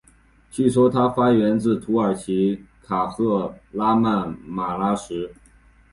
据说它发源自土耳其的卡赫拉曼马拉什。